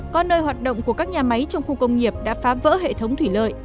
có nơi hoạt động của các nhà máy trong khu công nghiệp đã phá vỡ hệ thống thủy lợi